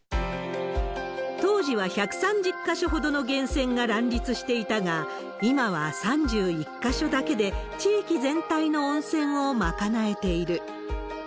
当時は１３０か所ほどの源泉が乱立していたが、今は３１か所だけで、地域全体の温泉を賄えている。